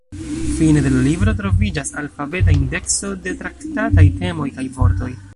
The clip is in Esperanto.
Fine de la libro troviĝas alfabeta indekso de traktataj temoj kaj vortoj.